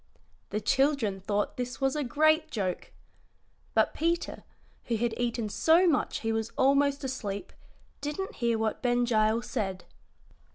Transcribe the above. The children thought this was a great joke. But Peter, who had eaten so much he was almost asleep, didn't hear what Ben Gile said.